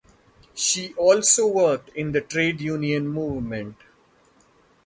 She also worked in the Trade Union movement.